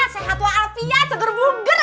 sehat wa alfiyah seger buger